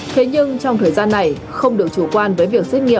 thế nhưng trong thời gian này không được chủ quan với việc xét nghiệm